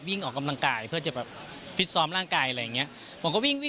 วิ่งออกกำลังกายเพื่อจะฟิศซ้อมร่างกายอะไรอย่างนี้